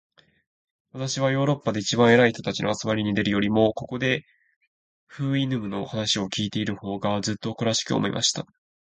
私はヨーロッパで一番偉い人たちの集まりに出るよりも、ここで、フウイヌムの話を開いている方が、ずっと誇らしく思えました。